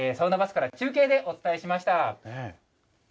サウナバスから中継でお伝えしました。